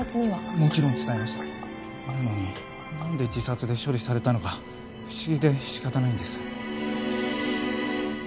もちろん伝えましたなのに何で自殺で処理されたのか不思議で仕方ないんです・